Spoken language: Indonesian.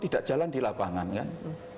tidak jalan di lapangan kan